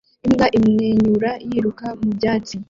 Imbwa imwenyura yiruka mu byatsi